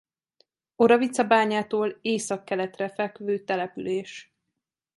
Oravicabányától északkeletre fekvő település.